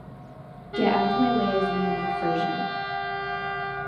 Get Out Of My Way is a unique version.